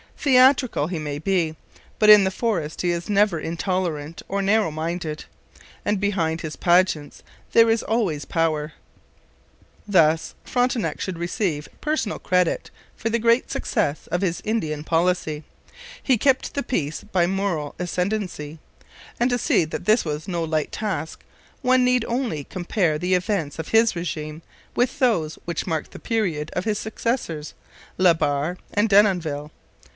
Theatrical he may be, but in the forest he is never intolerant or narrow minded. And behind his pageants there is always power. Thus Frontenac should receive personal credit for the great success of his Indian policy. He kept the peace by moral ascendancy, and to see that this was no light task one need only compare the events of his regime with those which marked the period of his successors, La Barre and Denonville.